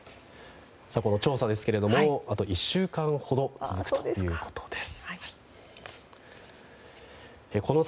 この調査ですけれどもあと１週間ほど続くということです。